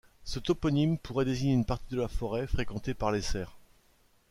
Ce toponyme pourrait désigner une partie de la forêt fréquentée par les cerfs.